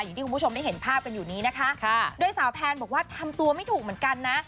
อย่างที่คุณผู้ชมได้เห็นภาพกันอยู่นี้นะคะโดยสาวแพนบอกว่าทำตัวไม่ถูกเหมือนกันนะ